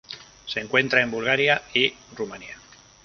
Se encuentra en Bulgaria y Rumania.